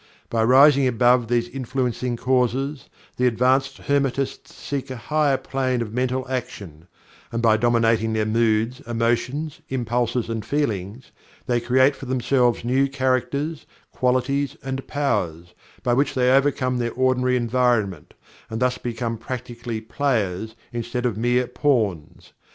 By rising above these influencing causes, the advanced Hermetists seek a higher plane of mental action, and by dominating their moods, emotions, impulses and feelings, they create for themselves new characters, qualities and powers, by which they overcome their ordinary environment, and thus become practically players instead of mere Pawns.